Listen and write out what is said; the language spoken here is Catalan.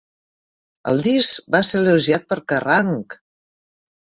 El disc va ser elogiat per Kerrang!